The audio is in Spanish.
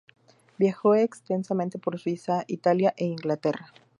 Viajó extensamente por Suiza, Italia e Inglaterra.